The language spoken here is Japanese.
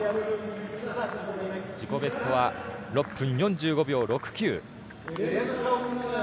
自己ベストは６分４５秒６９。